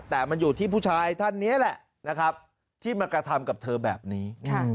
แต่มันอยู่ที่ผู้ชายท่านนี้แหละนะครับที่มากระทำกับเธอแบบนี้